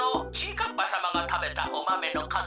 かっぱさまがたべたおマメのかずは？」。